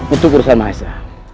itu urusan mahesa